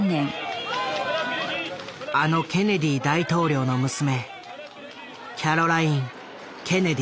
あのケネディ大統領の娘